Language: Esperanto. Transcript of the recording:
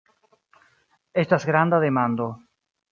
Estas stranga demando.